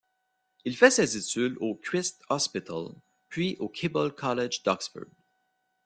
Il fait ses études au Christ's Hospital puis au Keble College d’Oxford.